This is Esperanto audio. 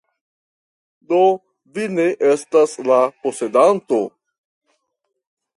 Do vi ne estas la posedanto?